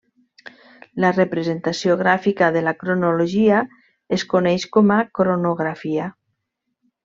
La representació gràfica de la cronologia es coneix com a cronografia.